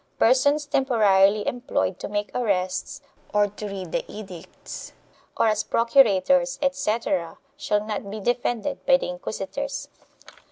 Persons temporarily employed to make arrests, or to read the edicts, or as procurators, etc., shall not be defended by the inquisitors.